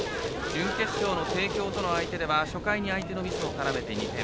準決勝の帝京との相手では初回に相手のミスを絡めて２点。